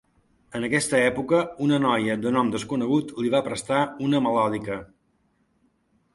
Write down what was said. En aquesta època una noia de nom desconegut li va prestar una melòdica.